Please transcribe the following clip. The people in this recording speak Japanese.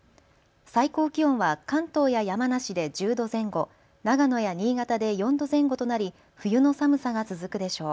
最高気温は関東や山梨で１０度前後、長野や新潟で４度前後となり冬の寒さが続くでしょう。